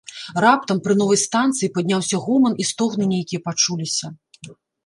Раптам пры новай станцыі падняўся гоман і стогны нейкія пачуліся.